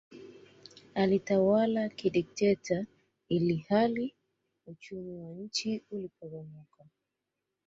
Alitawala kidikteta ilhali uchumi wa nchi uliporomoka